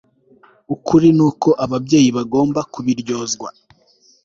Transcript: Ukuri nuko ababyeyi bagombaga kubiryozwa